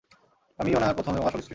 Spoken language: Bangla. আমি- ই উনার প্রথম এবং আসল স্ত্রী।